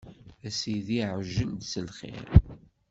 A sidi ɛjel-d s lxir.